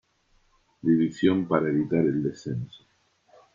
Division para evitar el descenso.